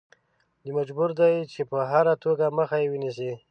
دی مجبور دی چې په هره توګه مخه یې ونیسي.